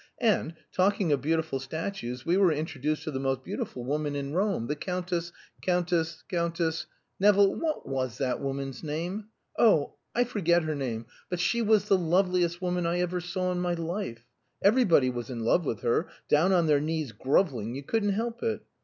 And, talking of beautiful statues, we were introduced to the most beautiful woman in Rome, the Countess Countess Countess Nevill, what was that woman's name? Oh I forget her name, but she was the loveliest woman I ever saw in my life. Everybody was in love with her down on their knees groveling, you couldn't help it.